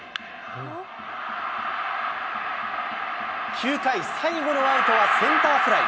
９回最後のアウトはセンターフライ。